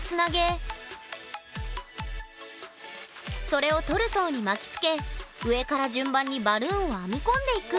それをトルソーに巻きつけ上から順番にバルーンを編み込んでいく。